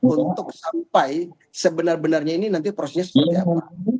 untuk sampai sebenar benarnya ini nanti prosesnya seperti apa